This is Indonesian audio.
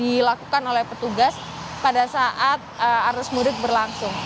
ini juga telah dilakukan oleh petugas pada saat arus mudik berlangsung